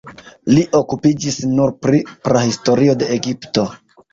Li okupiĝis nur pri prahistorio de Egipto.